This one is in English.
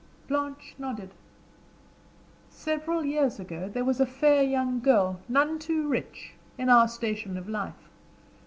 Blanche nodded. "Several years ago there was a fair young girl, none too rich, in our station of life.